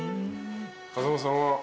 風間さんは？